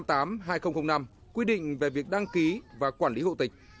theo nghị định một trăm năm mươi tám hai nghìn năm quy định về việc đăng ký và quản lý hộ tịch